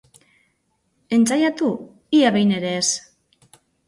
Entsaiatu, ia behin ere ez.